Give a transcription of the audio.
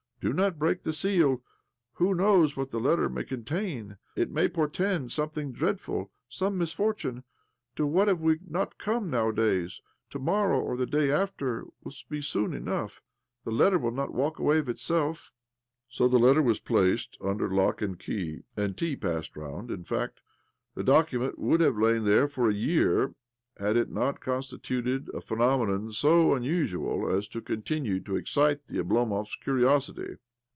" Do not break the seal. Who knows what the letter may contain? It may portend something dreadful, some misfortune. To what have we not come nowadays? To morrow, or the day after, will be soon enough. The letter will not walk away of itself." So the letter was placed under lock and key, and tea passed round. In fact, the document would have lain there for a year. OBLOMOV 143 had it not constituted a phenomenon so un usual as to continue to excite the Oblomov kans' curiosity.